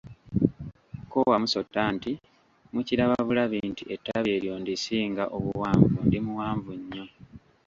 Ko Wamusota nti, mukiraba bulabi nti ettabi eryo ndisinga obuwanvu ndi muwanvu nnyo.